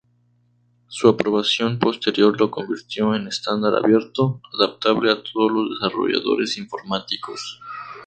Su aprobación posterior lo convirtió en Estándar abierto, adaptable a todos los desarrolladores informáticos.